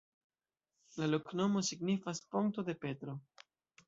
La loknomo signifas: ponto de Petro.